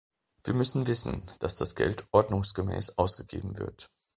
Wir müssen wissen, dass das Geld ordnungsgemäß ausgegeben wird.